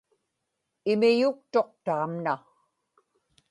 imiyuktuq taamna